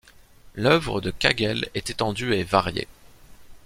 L'œuvre de Kagel est étendue et variée.